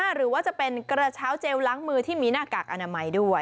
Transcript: หรือว่าจะเป็นกระเช้าเจลล้างมือที่มีหน้ากากอนามัยด้วย